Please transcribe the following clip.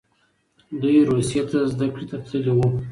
دوی روسیې ته زده کړې ته تللي وو.